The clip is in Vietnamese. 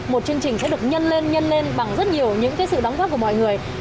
một chương trình sẽ được nhân lên nhân lên bằng rất nhiều những sự đóng góp của mọi người